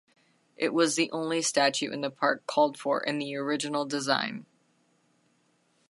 It was the only statue in the park called for in the original design.